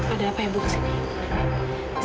ada apa ibu kesini